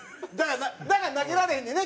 だから投げられへんねんね